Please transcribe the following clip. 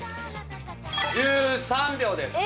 １３秒です。え！？